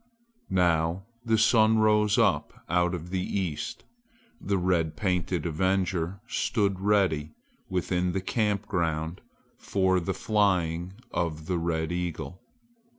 Now the sun rose up out of the east. The red painted avenger stood ready within the camp ground for the flying of the red eagle.